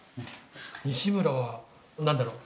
西村は何だろ。